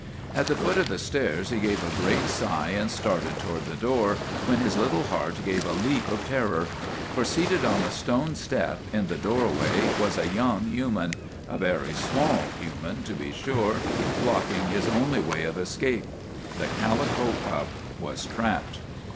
At the foot of the stairs he gave a great sigh and started toward the door, when his little heart gave a leap of terror; for seated on the stone step in the doorway was a young human a very small hu man, to be sure blocking his only way of escape. The calico pup was trapped.